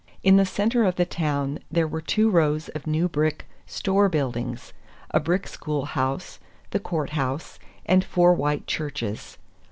In the center of the town there were two rows of new brick "store" buildings, a brick schoolhouse, the courthouse, and four white churches.